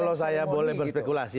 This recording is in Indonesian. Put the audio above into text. kalau saya boleh berspekulasi